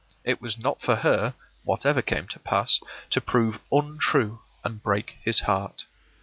It was not for her, whatever came to pass, to prove untrue and break his heart.